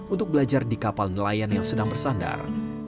untuk belajar di kapal nelayan yang sedang bersandar